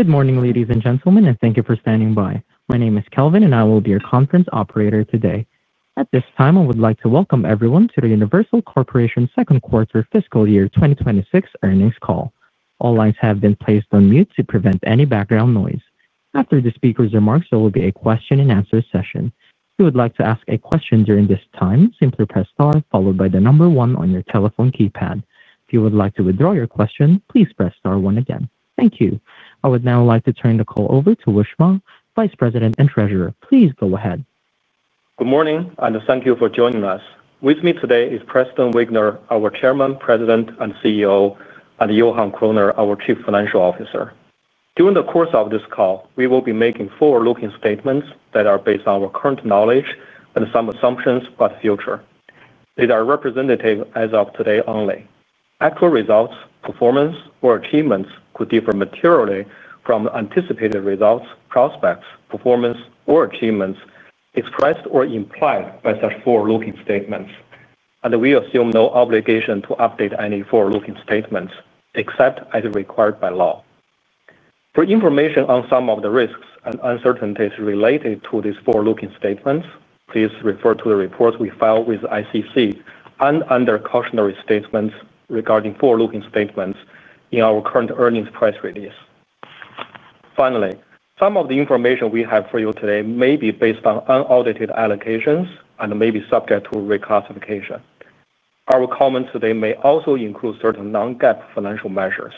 Good morning, ladies and gentlemen, and thank you for standing by. My name is Kelvin, and I will be your conference operator today. At this time, I would like to welcome everyone to the Universal Corporation Second Quarter Fiscal Year 2026 earnings call. All lines have been placed on mute to prevent any background noise. After the speaker's remarks, there will be a question-and-answer session. If you would like to ask a question during this time, simply press star followed by the number one on your telephone keypad. If you would like to withdraw your question, please press star one again. Thank you. I would now like to turn the call over to Wushuang, Vice President and Treasurer. Please go ahead. Good morning, and thank you for joining us. With me today is Preston Wigner, our Chairman, President, and CEO, and Johan Kroner, our Chief Financial Officer. During the course of this call, we will be making forward-looking statements that are based on our current knowledge and some assumptions about the future. These are representative as of today only. Actual results, performance, or achievements could differ materially from the anticipated results, prospects, performance, or achievements expressed or implied by such forward-looking statements, and we assume no obligation to update any forward-looking statements except as required by law. For information on some of the risks and uncertainties related to these forward-looking statements, please refer to the reports we filed with the SEC and under cautionary statements regarding forward-looking statements in our current earnings press release. Finally, some of the information we have for you today may be based on unaudited allocations and may be subject to reclassification. Our comments today may also include certain non-GAAP financial measures.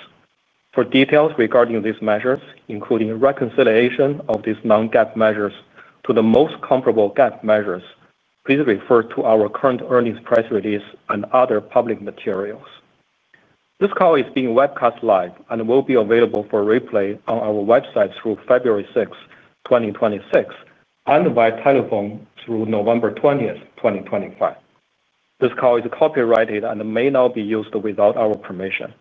For details regarding these measures, including reconciliation of these non-GAAP measures to the most comparable GAAP measures, please refer to our current earnings press release and other public materials. This call is being webcast live and will be available for replay on our website through February 6, 2026, and via telephone through November 20, 2025. This call is copyrighted and may not be used without our permission.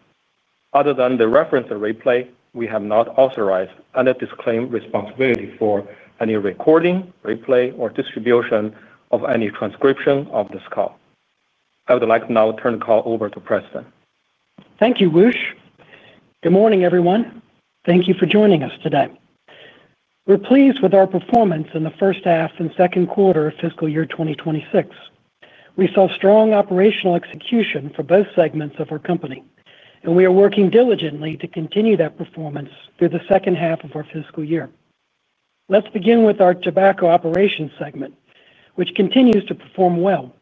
Other than the reference and replay, we have not authorized and disclaim responsibility for any recording, replay, or distribution of any transcription of this call. I would like to now turn the call over to Preston. Thank you, Wush. Good morning, everyone. Thank you for joining us today. We're pleased with our performance in the first half and second quarter of fiscal year 2026. We saw strong operational execution for both segments of our company, and we are working diligently to continue that performance through the second half of our fiscal year. Let's begin with our tobacco operations segment, which continues to perform well.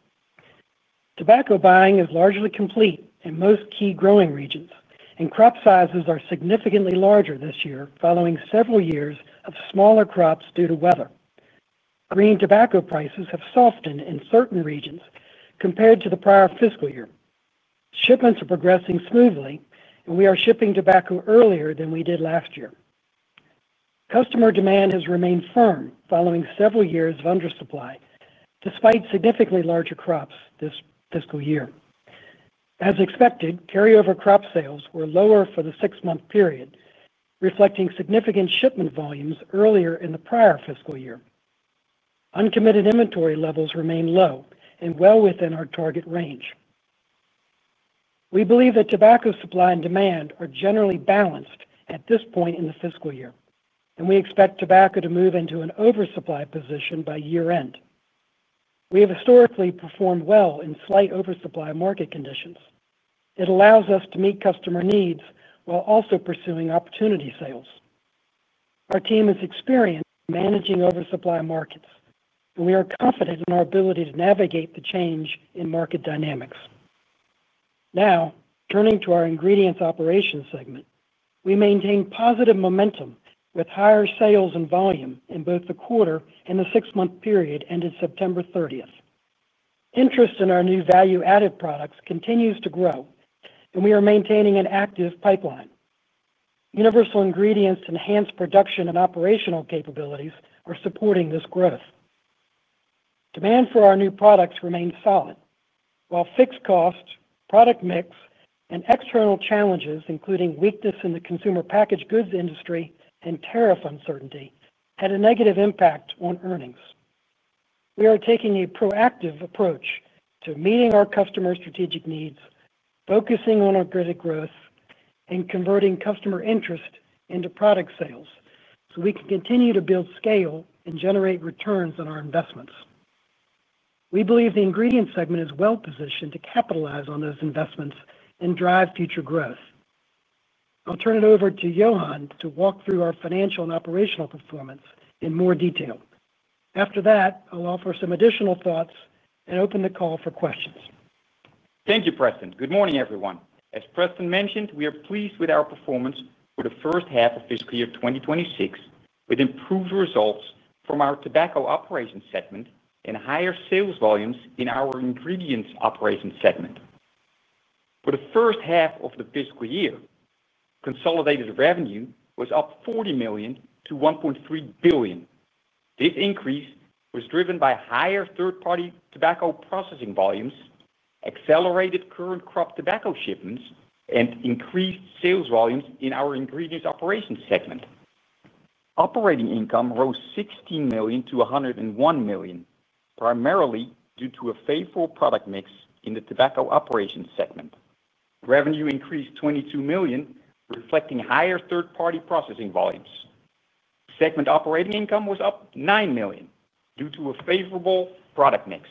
Tobacco buying is largely complete in most key growing regions, and crop sizes are significantly larger this year following several years of smaller crops due to weather. Green tobacco prices have softened in certain regions compared to the prior fiscal year. Shipments are progressing smoothly, and we are shipping tobacco earlier than we did last year. Customer demand has remained firm following several years of undersupply despite significantly larger crops this fiscal year. As expected, carryover crop sales were lower for the six-month period, reflecting significant shipment volumes earlier in the prior fiscal year. Uncommitted inventory levels remain low and well within our target range. We believe that tobacco supply and demand are generally balanced at this point in the fiscal year, and we expect tobacco to move into an oversupply position by year-end. We have historically performed well in slight oversupply market conditions. It allows us to meet customer needs while also pursuing opportunity sales. Our team is experienced managing oversupply markets, and we are confident in our ability to navigate the change in market dynamics. Now, turning to our ingredients operations segment, we maintain positive momentum with higher sales and volume in both the quarter and the six-month period ended September 30. Interest in our new value-added products continues to grow, and we are maintaining an active pipeline. Universal Ingredients' enhanced production and operational capabilities are supporting this growth. Demand for our new products remains solid, while fixed costs, product mix, and external challenges including weakness in the consumer packaged goods industry and tariff uncertainty had a negative impact on earnings. We are taking a proactive approach to meeting our customer strategic needs, focusing on our gridded growth, and converting customer interest into product sales so we can continue to build scale and generate returns on our investments. We believe the ingredients segment is well-positioned to capitalize on those investments and drive future growth. I'll turn it over to Johan to walk through our financial and operational performance in more detail. After that, I'll offer some additional thoughts and open the call for questions. Thank you, Preston. Good morning, everyone. As Preston mentioned, we are pleased with our performance for the first half of fiscal year 2026 with improved results from our tobacco operations segment and higher sales volumes in our ingredients operations segment. For the first half of the fiscal year, consolidated revenue was up $40 million to $1.3 billion. This increase was driven by higher third-party tobacco processing volumes, accelerated current crop tobacco shipments, and increased sales volumes in our ingredients operations segment. Operating income rose $16 million to $101 million, primarily due to a favorable product mix in the tobacco operations segment. Revenue increased $22 million, reflecting higher third-party processing volumes. Segment operating income was up $9 million due to a favorable product mix.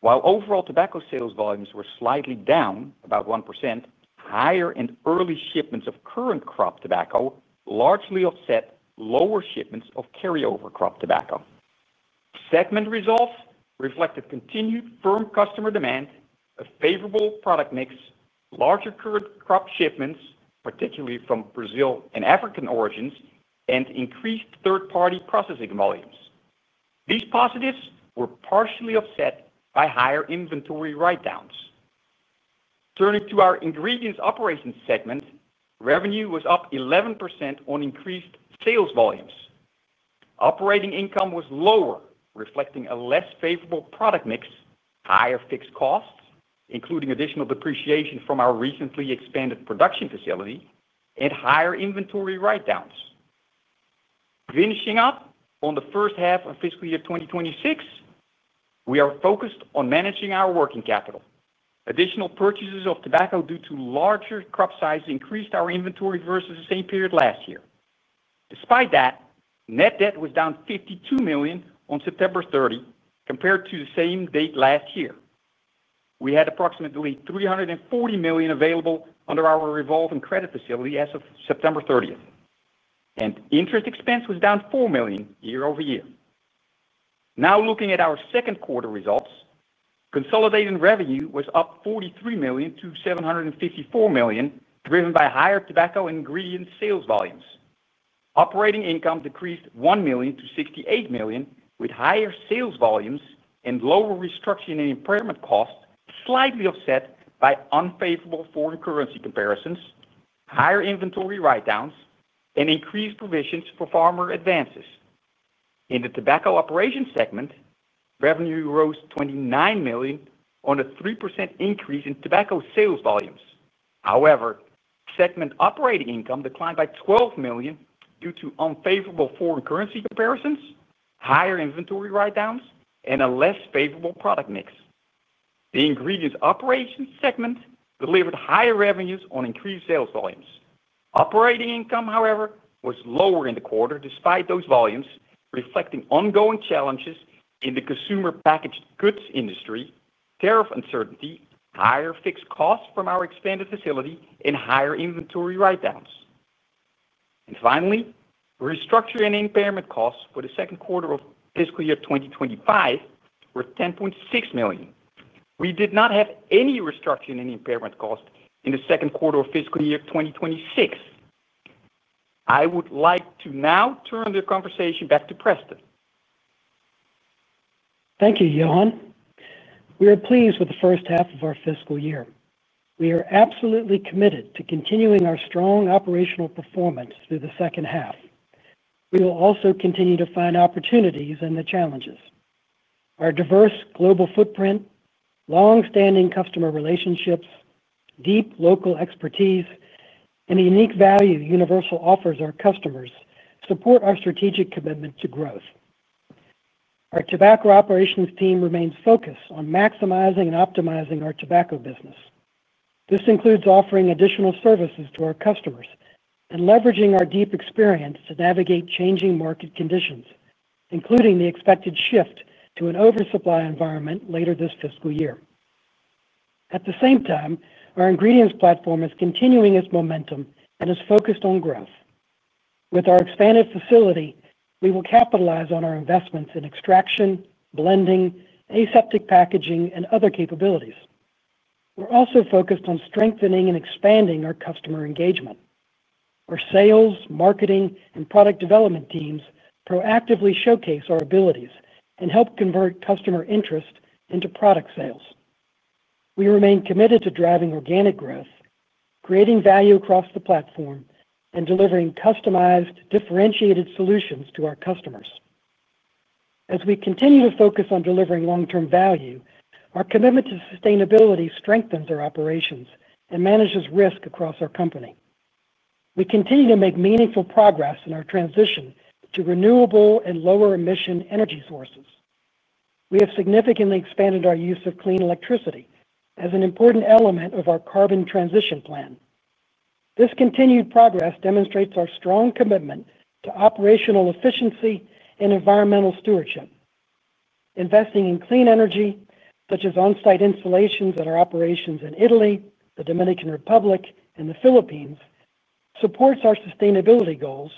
While overall tobacco sales volumes were slightly down, about 1%, higher and early shipments of current crop tobacco largely offset lower shipments of carryover crop tobacco. Segment results reflected continued firm customer demand, a favorable product mix, larger current crop shipments, particularly from Brazil and African origins, and increased third-party processing volumes. These positives were partially offset by higher inventory write-downs. Turning to our ingredients operations segment, revenue was up 11% on increased sales volumes. Operating income was lower, reflecting a less favorable product mix, higher fixed costs, including additional depreciation from our recently expanded production facility, and higher inventory write-downs. Finishing up on the first half of fiscal year 2026. We are focused on managing our working capital. Additional purchases of tobacco due to larger crop size increased our inventory versus the same period last year. Despite that, net debt was down $52 million on September 30 compared to the same date last year. We had approximately $340 million available under our revolving credit facility as of September 30. Interest expense was down $4 million year over year. Now looking at our second quarter results, consolidated revenue was up $43 million to $754 million, driven by higher tobacco ingredients sales volumes. Operating income decreased $1 million to $68 million, with higher sales volumes and lower restructuring and impairment costs slightly offset by unfavorable foreign currency comparisons, higher inventory write-downs, and increased provisions for farmer advances. In the tobacco operations segment, revenue rose $29 million on a 3% increase in tobacco sales volumes. However, segment operating income declined by $12 million due to unfavorable foreign currency comparisons, higher inventory write-downs, and a less favorable product mix. The ingredients operations segment delivered higher revenues on increased sales volumes. Operating income, however, was lower in the quarter despite those volumes, reflecting ongoing challenges in the consumer packaged goods industry, tariff uncertainty, higher fixed costs from our expanded facility, and higher inventory write-downs. Finally, restructuring and impairment costs for the second quarter of fiscal year 2025 were $10.6 million. We did not have any restructuring and impairment costs in the second quarter of fiscal year 2026. I would like to now turn the conversation back to Preston. Thank you, Johan. We are pleased with the first half of our fiscal year. We are absolutely committed to continuing our strong operational performance through the second half. We will also continue to find opportunities in the challenges. Our diverse global footprint, long-standing customer relationships, deep local expertise, and the unique value Universal offers our customers support our strategic commitment to growth. Our tobacco operations team remains focused on maximizing and optimizing our tobacco business. This includes offering additional services to our customers and leveraging our deep experience to navigate changing market conditions, including the expected shift to an oversupply environment later this fiscal year. At the same time, our ingredients platform is continuing its momentum and is focused on growth. With our expanded facility, we will capitalize on our investments in extraction, blending, aseptic packaging, and other capabilities. We're also focused on strengthening and expanding our customer engagement. Our sales, marketing, and product development teams proactively showcase our abilities and help convert customer interest into product sales. We remain committed to driving organic growth, creating value across the platform, and delivering customized, differentiated solutions to our customers. As we continue to focus on delivering long-term value, our commitment to sustainability strengthens our operations and manages risk across our company. We continue to make meaningful progress in our transition to renewable and lower-emission energy sources. We have significantly expanded our use of clean electricity as an important element of our carbon transition plan. This continued progress demonstrates our strong commitment to operational efficiency and environmental stewardship. Investing in clean energy, such as on-site installations at our operations in Italy, the Dominican Republic, and the Philippines, supports our sustainability goals,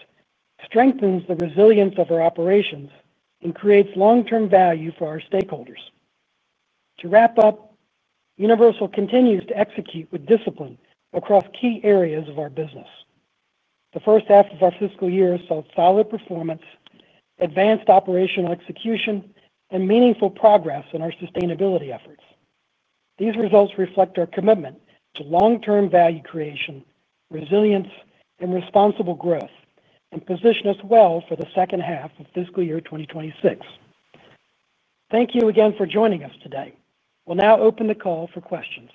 strengthens the resilience of our operations, and creates long-term value for our stakeholders. To wrap up. Universal continues to execute with discipline across key areas of our business. The first half of our fiscal year saw solid performance, advanced operational execution, and meaningful progress in our sustainability efforts. These results reflect our commitment to long-term value creation, resilience, and responsible growth, and position us well for the second half of fiscal year 2026. Thank you again for joining us today. We'll now open the call for questions.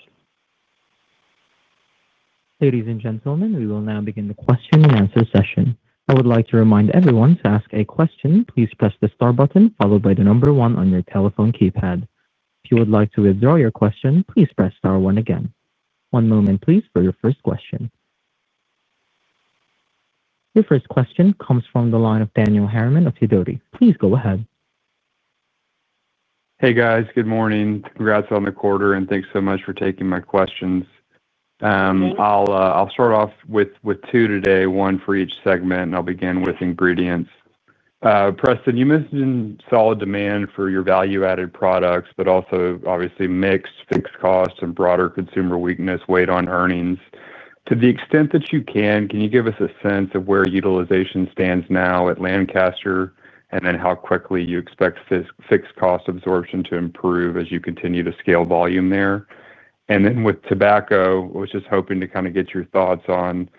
Ladies and gentlemen, we will now begin the question and answer session. I would like to remind everyone to ask a question. Please press the star button followed by the number one on your telephone keypad. If you would like to withdraw your question, please press star one again. One moment, please, for your first question. Your first question comes from the line of Daniel Harriman of Sidoti. Please go ahead. Hey, guys. Good morning. Congrats on the quarter, and thanks so much for taking my questions. I'll start off with two today, one for each segment, and I'll begin with ingredients. Preston, you mentioned solid demand for your value-added products, but also, obviously, mixed fixed costs and broader consumer weakness, weight on earnings. To the extent that you can, can you give us a sense of where utilization stands now at Lancaster and then how quickly you expect fixed cost absorption to improve as you continue to scale volume there? And then with tobacco, I was just hoping to kind of get your thoughts on.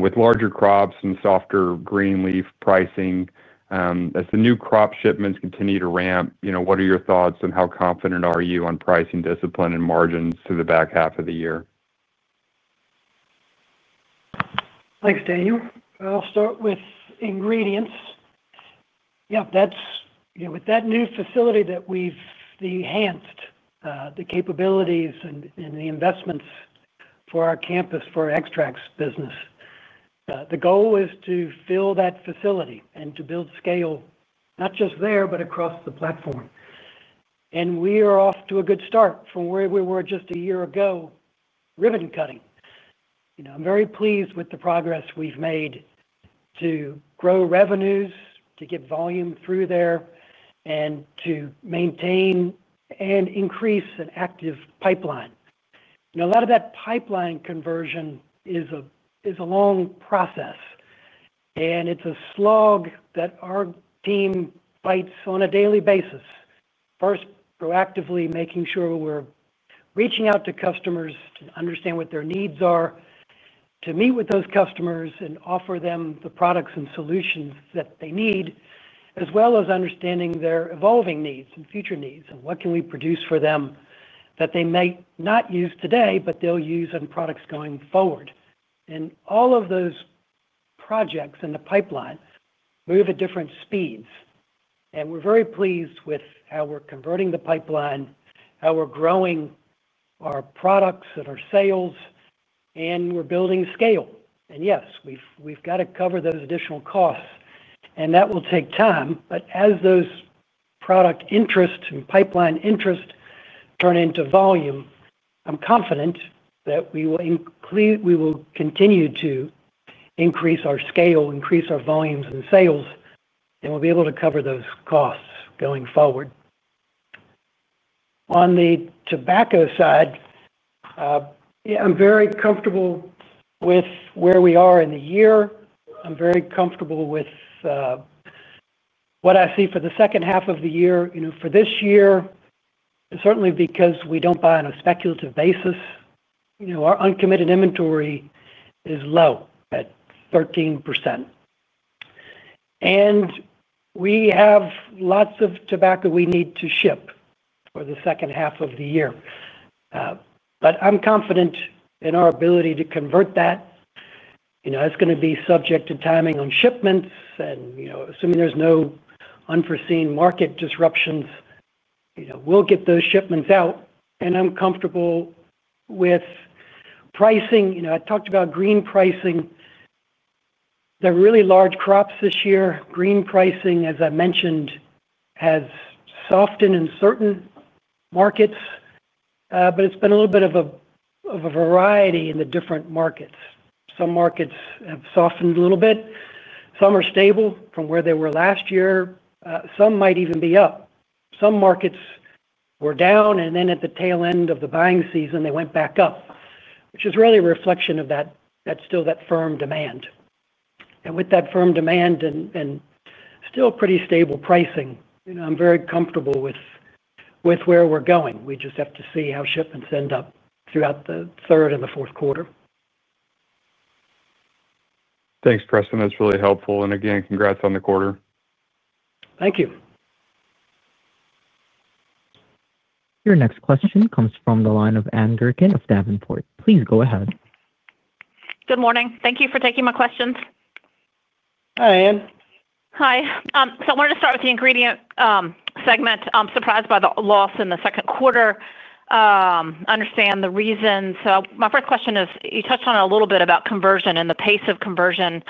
With larger crops and softer green leaf pricing. As the new crop shipments continue to ramp, what are your thoughts and how confident are you on pricing discipline and margins through the back half of the year? Thanks, Daniel. I'll start with ingredients. Yeah, with that new facility that we've enhanced, the capabilities and the investments for our campus for extracts business. The goal is to fill that facility and to build scale, not just there, but across the platform. We are off to a good start from where we were just a year ago, ribbon cutting. I'm very pleased with the progress we've made to grow revenues, to get volume through there, and to maintain and increase an active pipeline. A lot of that pipeline conversion is a long process. It's a slog that our team fights on a daily basis. First, proactively making sure we're reaching out to customers to understand what their needs are, to meet with those customers and offer them the products and solutions that they need, as well as understanding their evolving needs and future needs. What can we produce for them that they might not use today, but they'll use in products going forward? All of those projects in the pipeline move at different speeds. We are very pleased with how we are converting the pipeline, how we are growing our products and our sales, and we are building scale. Yes, we have to cover those additional costs, and that will take time. As those product interests and pipeline interests turn into volume, I am confident that we will continue to increase our scale, increase our volumes and sales, and we will be able to cover those costs going forward. On the tobacco side, I am very comfortable with where we are in the year. I am very comfortable with what I see for the second half of the year. For this year, certainly because we do not buy on a speculative basis, our uncommitted inventory is low at 13%. We have lots of tobacco we need to ship for the second half of the year. I'm confident in our ability to convert that. It's going to be subject to timing on shipments. Assuming there's no unforeseen market disruptions, we'll get those shipments out. I'm comfortable with pricing. I talked about green pricing. There are really large crops this year. Green pricing, as I mentioned, has softened in certain markets. It's been a little bit of a variety in the different markets. Some markets have softened a little bit. Some are stable from where they were last year. Some might even be up. Some markets were down, and then at the tail end of the buying season, they went back up, which is really a reflection of that still firm demand. With that firm demand and still pretty stable pricing, I'm very comfortable with it. Where we're going. We just have to see how shipments end up throughout the third and the fourth quarter. Thanks, Preston. That is really helpful. Again, congrats on the quarter. Thank you. Your next question comes from the line of Ann Gurkin of Davenport. Please go ahead. Good morning. Thank you for taking my questions. Hi, Ann. Hi. I wanted to start with the ingredient segment. I'm surprised by the loss in the second quarter. I understand the reasons. My first question is, you touched on it a little bit about conversion and the pace of conversion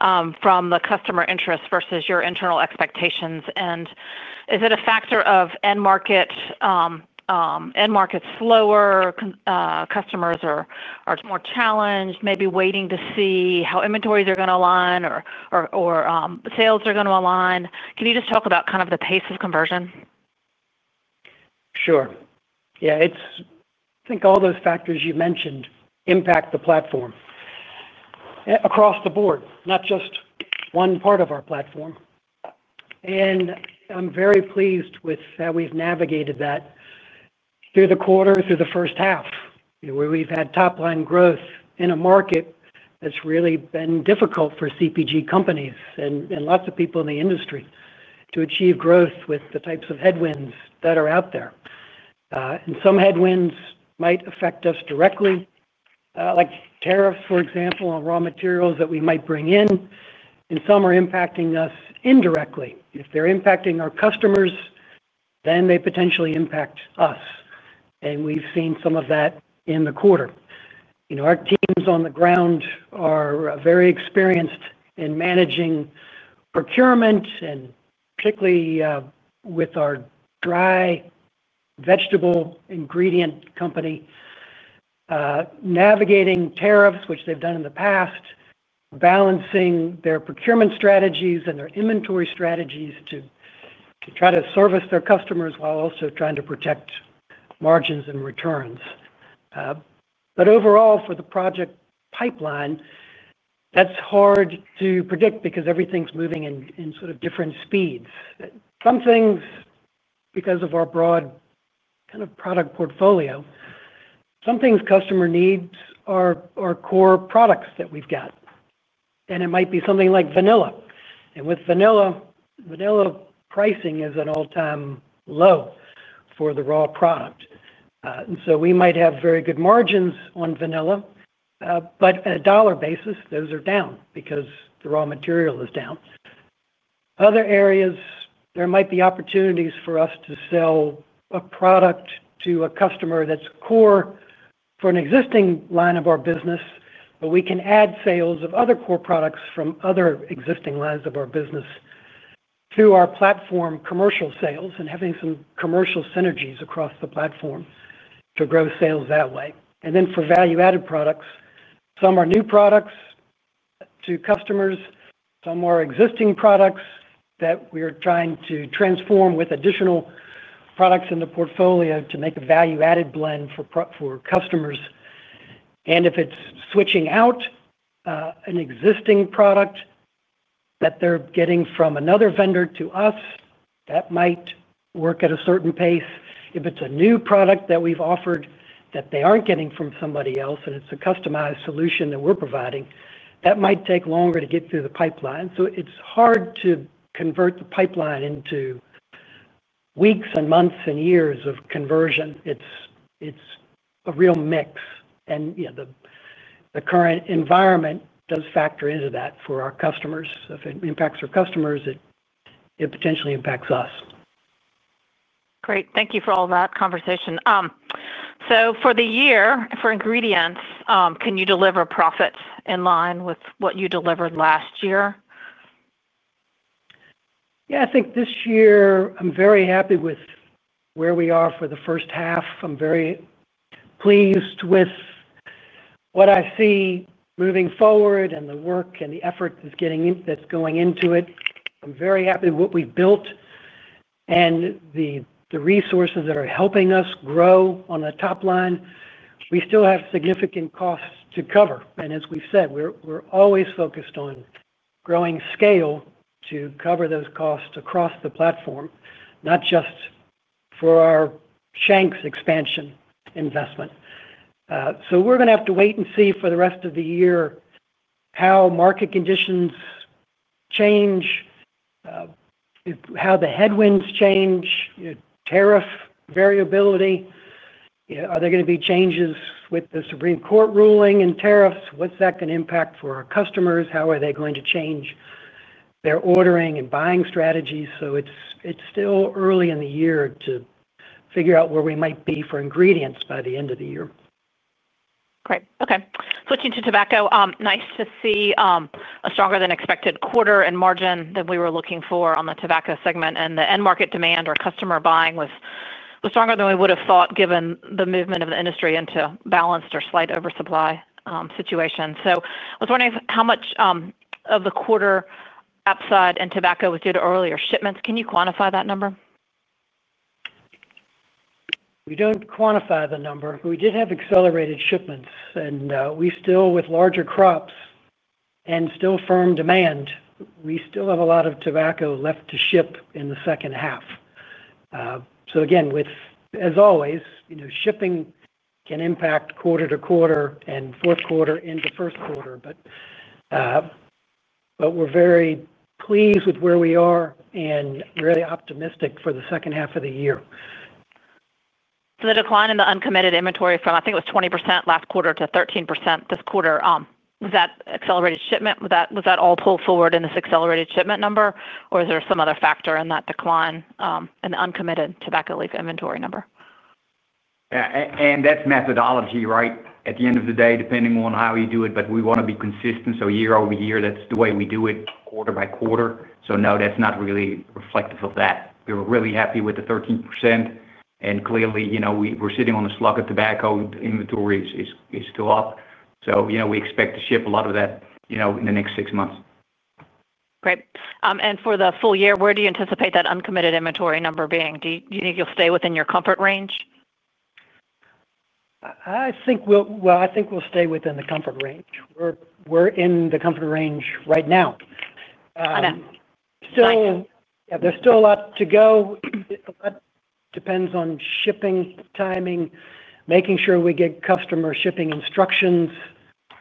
from the customer interest versus your internal expectations. Is it a factor of end market? Slower, customers are more challenged, maybe waiting to see how inventories are going to align or sales are going to align? Can you just talk about kind of the pace of conversion? Sure. Yeah. I think all those factors you mentioned impact the platform. Across the board, not just one part of our platform. I am very pleased with how we have navigated that. Through the quarter, through the first half, where we have had top-line growth in a market that has really been difficult for CPG companies and lots of people in the industry to achieve growth with the types of headwinds that are out there. Some headwinds might affect us directly, like tariffs, for example, on raw materials that we might bring in. Some are impacting us indirectly. If they are impacting our customers, then they potentially impact us. We have seen some of that in the quarter. Our teams on the ground are very experienced in managing procurement, and particularly with our dry vegetable ingredient company, navigating tariffs, which they have done in the past. Balancing their procurement strategies and their inventory strategies to try to service their customers while also trying to protect margins and returns. Overall, for the project pipeline, that's hard to predict because everything's moving in sort of different speeds. Some things, because of our broad kind of product portfolio, some things customer needs are core products that we've got, and it might be something like vanilla. With vanilla, pricing is at an all-time low for the raw product, and so we might have very good margins on vanilla, but on a dollar basis, those are down because the raw material is down. Other areas, there might be opportunities for us to sell a product to a customer that's core for an existing line of our business, but we can add sales of other core products from other existing lines of our business. To our platform commercial sales and having some commercial synergies across the platform. To grow sales that way. For value-added products, some are new products. To customers, some are existing products that we are trying to transform with additional products in the portfolio to make a value-added blend for customers. If it is switching out an existing product that they are getting from another vendor to us, that might work at a certain pace. If it is a new product that we have offered that they are not getting from somebody else and it is a customized solution that we are providing, that might take longer to get through the pipeline. It is hard to convert the pipeline into weeks and months and years of conversion. It is a real mix. The current environment does factor into that for our customers. If it impacts our customers, it potentially impacts us. Great. Thank you for all that conversation. For the year, for ingredients, can you deliver profits in line with what you delivered last year? Yeah. I think this year, I'm very happy with where we are for the first half. I'm very pleased with what I see moving forward and the work and the effort that's going into it. I'm very happy with what we've built and the resources that are helping us grow on the top line. We still have significant costs to cover, and as we've said, we're always focused on growing scale to cover those costs across the platform, not just for our shanks expansion investment. We're going to have to wait and see for the rest of the year how market conditions change, how the headwinds change, tariff variability. Are there going to be changes with the Supreme Court ruling and tariffs? What's that going to impact for our customers? How are they going to change their ordering and buying strategies? It's still early in the year to figure out where we might be for ingredients by the end of the year. Great. Okay. Switching to tobacco, nice to see a stronger-than-expected quarter and margin than we were looking for on the tobacco segment. The end market demand, our customer buying, was stronger than we would have thought given the movement of the industry into balanced or slight oversupply situation. I was wondering how much of the quarter upside in tobacco was due to earlier shipments. Can you quantify that number? We do not quantify the number. We did have accelerated shipments. We still, with larger crops and still firm demand, we still have a lot of tobacco left to ship in the second half. Again, as always, shipping can impact quarter to quarter and fourth quarter into first quarter. We are very pleased with where we are and really optimistic for the second half of the year. The decline in the uncommitted inventory from, I think it was 20% last quarter to 13% this quarter, was that accelerated shipment? Was that all pulled forward in this accelerated shipment number, or is there some other factor in that decline in the uncommitted tobacco leaf inventory number? Yeah. That is methodology, right? At the end of the day, depending on how you do it, but we want to be consistent. Year over year, that is the way we do it quarter by quarter. No, that is not really reflective of that. We were really happy with the 13%. Clearly, we are sitting on the slug of tobacco. The inventory is still up. We expect to ship a lot of that in the next six months. Great. For the full year, where do you anticipate that uncommitted inventory number being? Do you think you'll stay within your comfort range? I think we'll stay within the comfort range. We're in the comfort range right now. Okay. That is. Yeah, there's still a lot to go. A lot depends on shipping timing, making sure we get customer shipping instructions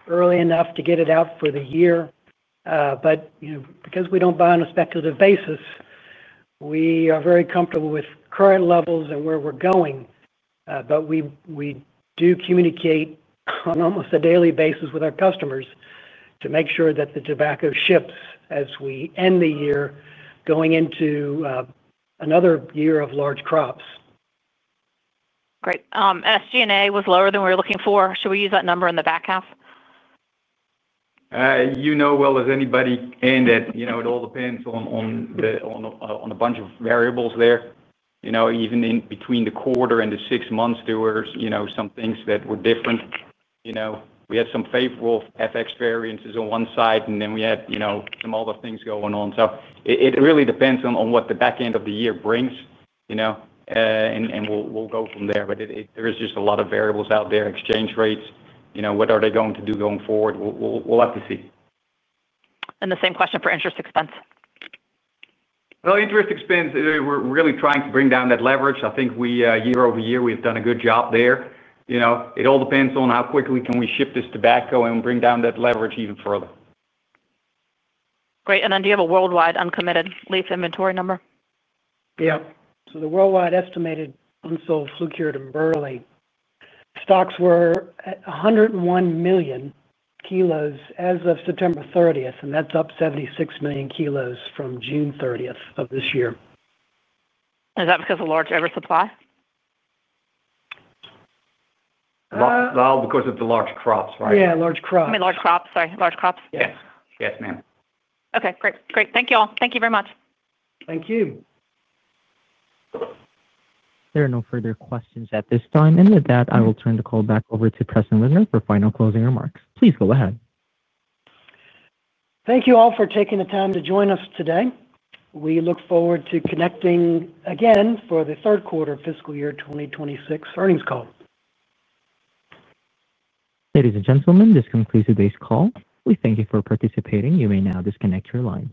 early enough to get it out for the year. Because we do not buy on a speculative basis, we are very comfortable with current levels and where we're going. We do communicate on almost a daily basis with our customers to make sure that the tobacco ships as we end the year going into another year of large crops. SG&A was lower than we were looking for. Should we use that number in the back half? You know as well as anybody in that it all depends on a bunch of variables there. Even between the quarter and the six months, there were some things that were different. We had some favorable FX variances on one side, and then we had some other things going on. It really depends on what the back end of the year brings. We'll go from there. There are just a lot of variables out there, exchange rates. What are they going to do going forward? We'll have to see. The same question for interest expense? Interest expense, we're really trying to bring down that leverage. I think year over year, we've done a good job there. It all depends on how quickly can we ship this tobacco and bring down that leverage even further. Great. Do you have a worldwide uncommitted leaf inventory number? Yeah. So the worldwide estimated unsold flue-cured tobacco early stocks were at 101 million kilos as of September 30, and that's up 76 million kilos from June 30 of this year. Is that because of large oversupply? Because of the large crops, right? Yeah, large crops. I mean, large crops? Sorry. Large crops? Yes. Yes, ma'am. Okay. Great. Thank you all. Thank you very much. Thank you. There are no further questions at this time. With that, I will turn the call back over to Preston Wigner for final closing remarks. Please go ahead. Thank you all for taking the time to join us today. We look forward to connecting again for the third quarter of fiscal year 2026 earnings call. Ladies and gentlemen, this concludes today's call. We thank you for participating. You may now disconnect your lines.